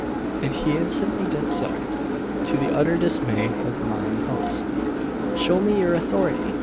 And he instantly did so to the utter dismay of mine host. "Show me your authority!"